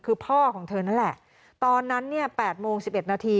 คือพ่อของเธอนั่นแหละตอนนั้นเนี่ย๘โมง๑๑นาที